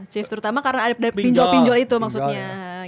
chief terutama karena ada pinjol pinjol itu maksudnya